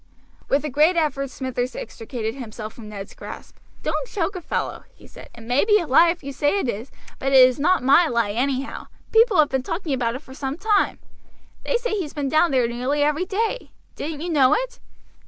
With a great effort Smithers extricated himself from Ned's grasp. "Don't choke a fellow," he said. "It may be a lie if you say it is, but it is not my lie anyhow. People have been talking about it for some time. They say he's been down there nearly every day. Didn't you know it?"